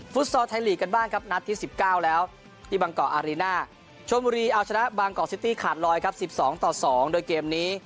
ฟอร์ไทยลีกกันบ้างครับนัดที่๑๙แล้วที่บางกอกอารีน่าชนบุรีเอาชนะบางกอกซิตี้ขาดลอยครับ๑๒ต่อ๒โดยเกมนี้